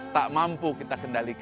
tak mampu kita kendalikan